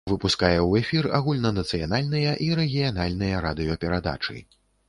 Выпускае ў эфір агульнанацыянальныя і рэгіянальныя радыёперадачы.